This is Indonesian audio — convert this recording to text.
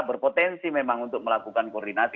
berpotensi memang untuk melakukan koordinasi